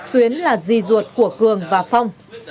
tuyến là di ruột của cường và phong